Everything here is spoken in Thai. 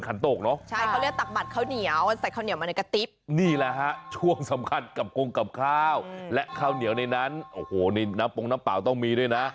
อันนี้น้ำปรงน้ำเปล่าต้องมีด้วยนะ